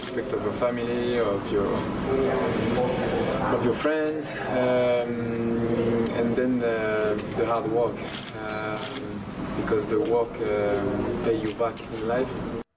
และการทำงานที่ดีเพราะงานนี้ต้องการให้ความรักษาความต่าง